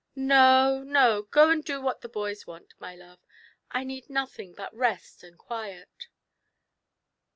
" No, no ; go and do what the boys want, my love ; I need nothing but rest and quiet."